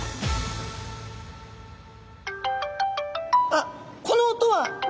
あっこの音は！